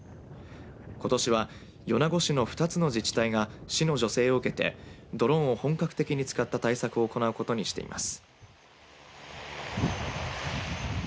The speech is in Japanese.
ことしは米子市の２つの自治体が市の助成を受けてドローンを本格的に使った対策を行うことにしています。